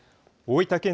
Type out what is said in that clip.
大分県